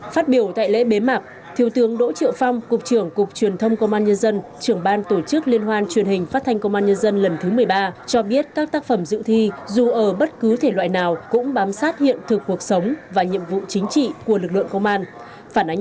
phát biểu tại lễ bế mạc thiếu tướng đỗ triệu phong cục trưởng cục truyền thông công an nhân dân trưởng ban tổ chức liên hoan truyền hình phát thanh công an nhân dân lần thứ một mươi ba cho biết các tác phẩm dự thi dù ở bất cứ thể loại nào cũng bám sát hiện thực cuộc sống và nhiệm vụ chính trị của lực lượng công an